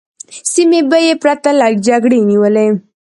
سیمې به یې پرته له جګړې نیولې.